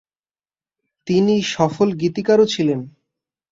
তিনি সফল গীতিকারও ছিলেন।